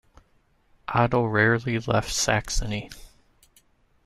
Otto rarely left Saxony.